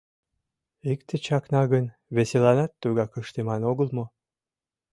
Икте чакна гын, весыланат тугак ыштыман огыл мо?